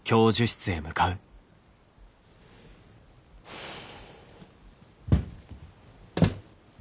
ふう。